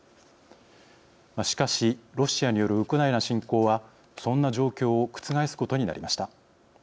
しかし、ロシアによるウクライナ侵攻はそんな状況を覆すことになりました。